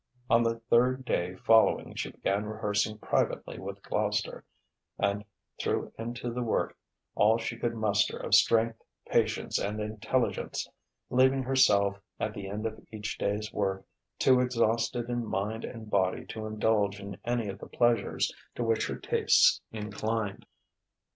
On the third day following she began rehearsing privately with Gloucester, and threw into the work all she could muster of strength, patience, and intelligence, leaving herself, at the end of each day's work, too exhausted in mind and body to indulge in any of the pleasures to which her tastes inclined.